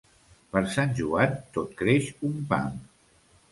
Per Sant Joan tot creix un pam.